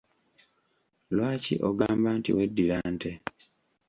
Lwaki ogamba nti weddira nte?